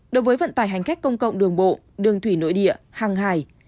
đối với vận tải hành khách công cộng đường bộ đường thủy nội địa hàng hải